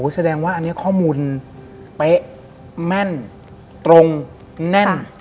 แสดงว่าอันนี้ข้อมูลเป๊ะแม่นตรงแน่น